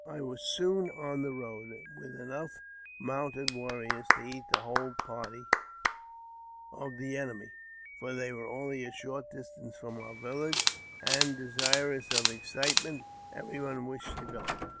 I was soon on the road, with enough mounted warriors to eat the whole party of the enemy ; for they were only a short distance from our village, and, desirous of excitement, every one wished to go.